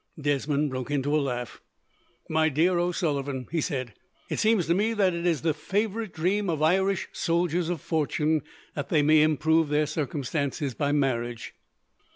Desmond broke into a laugh. "My dear O'Sullivan," he said, "it seems to me that it is the favourite dream of Irish soldiers of fortune, that they may improve their circumstances by marriage."